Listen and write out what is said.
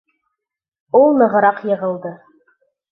— Ул нығыраҡ йығылды.